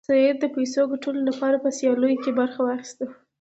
سید د پیسو ګټلو لپاره په سیالیو کې برخه واخیسته.